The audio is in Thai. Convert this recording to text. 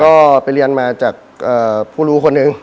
ก็ไปเรียนมาจากผู้รู้คนหนึ่ง